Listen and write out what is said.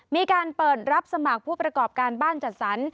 มีการเปิดรับสมัครผู้ประกอบการบ้านจัดสรร